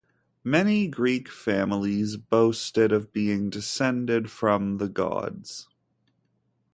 Many Greek families boasted of being descended from gods.